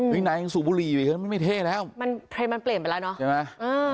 วิ่งนายยังสูบบุหรี่ไปเถอะไม่เทแล้วมันเปลี่ยนไปแล้วเนาะใช่ไหม